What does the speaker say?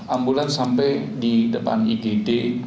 ambulans sampai di depan igd